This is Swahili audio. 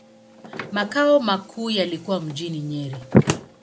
Makao makuu yalikuwa mjini Nyeri.